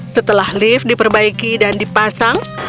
setelah lift diperbaiki dan dipasang